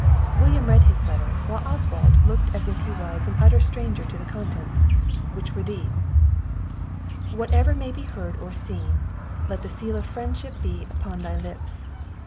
William read his letter, while Oswald looked as if he was an utter stranger to the contents, which were these: "Whatever may be heard or seen, let the seal of friendship be upon thy lips.